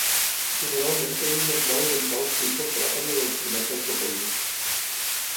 Generalment tenen un esmalt dental fi comparat amb el dels primats antropoides.